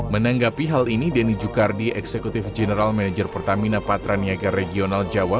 menanggapi hal ini denny jukardi eksekutif general manager pertamina patraniaga regional jawa